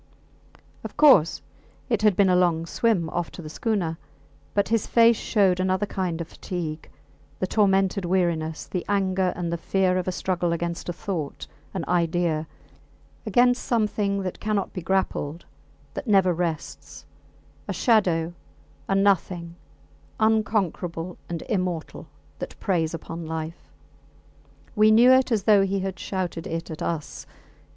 Of course it had been a long swim off to the schooner; but his face showed another kind of fatigue, the tormented weariness, the anger and the fear of a struggle against a thought, an idea against something that cannot be grappled, that never rests a shadow, a nothing, unconquerable and immortal, that preys upon life. We knew it as though he had shouted it at us.